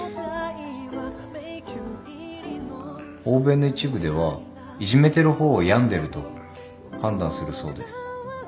欧米の一部ではいじめてる方を病んでると判断するそうです。